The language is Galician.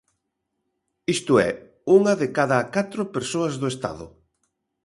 Isto é, unha de cada catro persoas do estado.